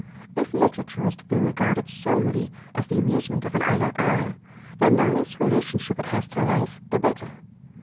If literature is to be regarded solely as the amusement of an idle hour, then the less relationship it has to life the better.